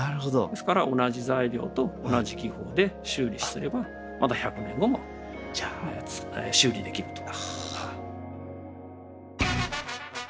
ですから同じ材料と同じ技法で修理すればまた１００年後も修理できると。